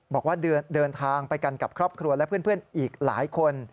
บอกว่าเดินทางไปกันกับครอบครัวและเพื่อนอีกหลายคน